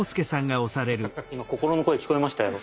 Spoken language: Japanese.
今心の声聞こえましたよ。